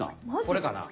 これかな？